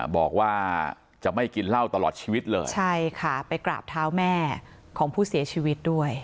บอกว่าจะไม่กินเหล้าตลอดชีวิตเลยใช่ค่ะไปกราบเท้าแม่ของผู้เสียชีวิตด้วย